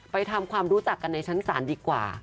ทำความรู้จักกันในชั้นศาลดีกว่า